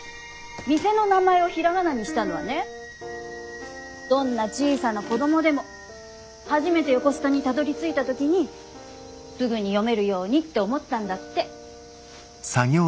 店の名前をひらがなにしたのはねどんな小さな子供でも初めて横須賀にたどりついた時にすぐに読めるようにって思ったんだって。